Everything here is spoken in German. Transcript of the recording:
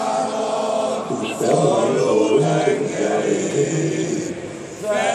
Die Beschwerden nehmen über Monate bis Jahre langsam zu.